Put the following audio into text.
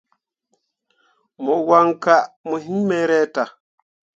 Mo wan kah mo hiŋ me reta.